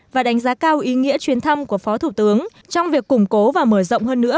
và đánh giá cao ý nghĩa chuyến thăm của phó thủ tướng trong việc củng cố và mở rộng hơn nữa